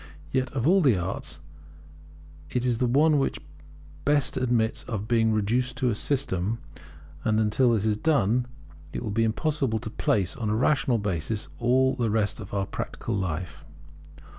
Yet of all the arts, it is the one which best admits of being reduced to a system; and until this is done it will be impossible to place on a rational basis all the rest of our practical life.